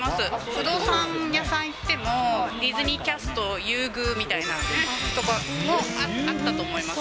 不動産屋さん行ってもディズニーキャスト優遇みたいな所もあったと思います。